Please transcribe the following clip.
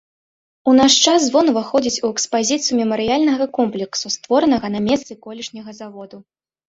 У наш час звон уваходзіць у экспазіцыю мемарыяльнага комплексу, створанага на месцы колішняга заводу.